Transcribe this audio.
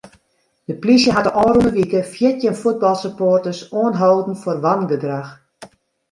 De plysje hat de ôfrûne wike fjirtjin fuotbalsupporters oanholden foar wangedrach.